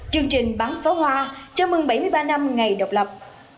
chương trình bắn pháo hoa chào mừng bảy mươi ba năm ngày độc lập